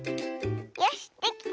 よしできた！